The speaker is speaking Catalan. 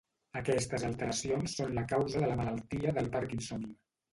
Aquestes alteracions són la causa de la malaltia del Parkinson.